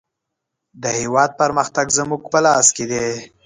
د هېواد پرمختګ زموږ په لاس کې دی.